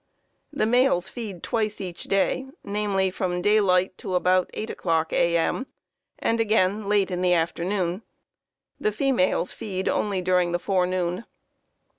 The males feed twice each day, namely, from daylight to about 8 o'clock A.M. and again late in the afternoon. The females feed only during the forenoon.